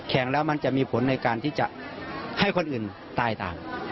แล้วมันจะมีผลในการที่จะให้คนอื่นตายตาม